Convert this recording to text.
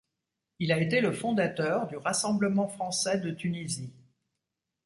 Il a été le fondateur du Rassemblement français de Tunisie.